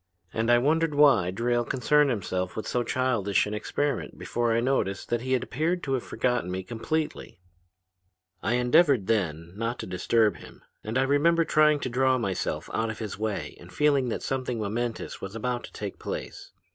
And I wondered why Drayle concerned himself with so childish an experiment before I noticed that he appeared to have forgotten me completely. "I endeavored then not to disturb him, and I remember trying to draw myself out of his way and feeling that something momentous was about to take place.